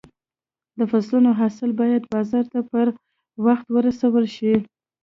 د فصلو حاصل باید بازار ته پر وخت ورسول شي.